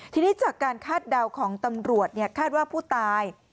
ทีนี้จากการคาดเดาของตำรวจคาดว่าผู้ตาย